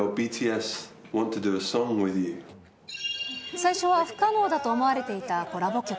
最初は不可能だと思われていたコラボ曲。